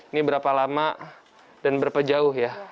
ini berapa lama dan berapa jauh ya